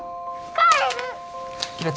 帰る。